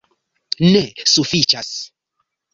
Ne, sufiĉas!